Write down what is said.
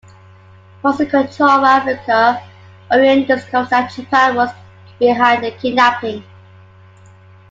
Once in control of Africa, Orion discovers that Japan was behind the kidnapping.